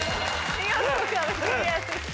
見事壁クリアです。